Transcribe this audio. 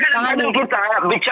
bikin bikin di banding kita